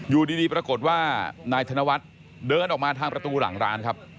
อยู่ดีปรากฏว่านายธนวัฒน์เดินออกมาทางประตูหลังร้านครับ